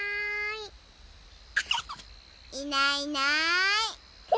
いないいない。